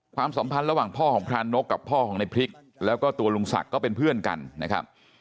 สัมพันธ์ระหว่างพ่อของพรานกกับพ่อของในพริกแล้วก็ตัวลุงศักดิ์ก็เป็นเพื่อนกันนะครับ